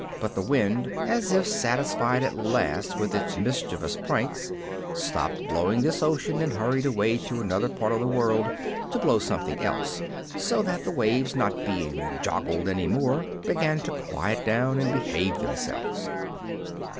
But the wind, as if satisfied at last with its mischievous pranks, stopped blowing this ocean and hurried away to another part of the world to blow something else; so that the waves, not being joggled any more, began to quiet down and behave themselves.